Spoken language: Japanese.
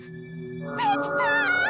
できたー！